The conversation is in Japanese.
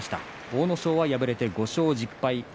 阿武咲、敗れて５勝１０敗。